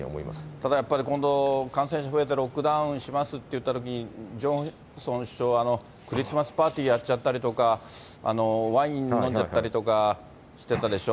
ただやっぱり、今度、感染者増えてロックダウンしますっていったときに、ジョンソン首相はクリスマスパーティーやっちゃったりとか、ワイン飲んじゃったりとかしてたでしょ。